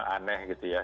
aneh gitu ya